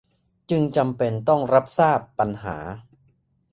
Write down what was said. จึงจำเป็นต้องรับทราบปัญหา